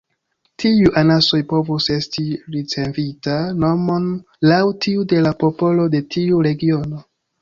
Tiuj anasoj povus esti ricevinta nomon laŭ tiu de la popolo de tiu regiono.